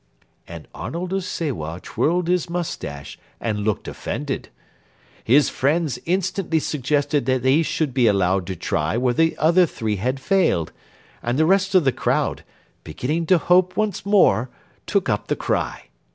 And Arnold of Sewa twirled his moustache and looked offended. His friends instantly suggested that he should be allowed to try where the other three had failed, and the rest of the crowd, beginning to hope once more, took up the cry.